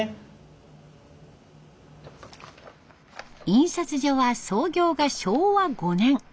印刷所は創業が昭和５年。